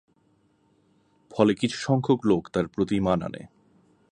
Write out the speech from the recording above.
ফলে কিছু সংখ্যক লোক তাঁর প্রতি ঈমান আনে।